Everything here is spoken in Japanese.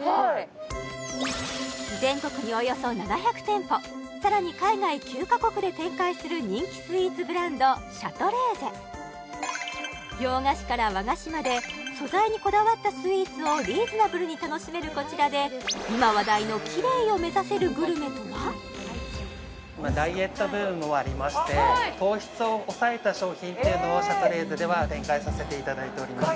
はい全国におよそ７００店舗さらに海外９カ国で展開する人気スイーツブランドシャトレーゼ洋菓子から和菓子まで素材にこだわったスイーツをリーズナブルに楽しめるこちらで今話題の今ダイエットブームもありまして糖質を抑えた商品っていうのをシャトレーゼでは展開させていただいております